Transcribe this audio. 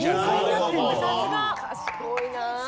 賢いなあ。